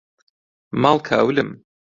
ماڵ کاولم